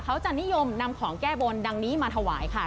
เขาจะนิยมนำของแก้บนดังนี้มาถวายค่ะ